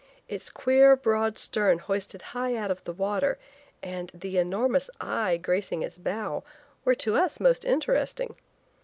Its queer, broad stern hoisted high out of the water and the enormous eye gracing its bow, were to us most interesting.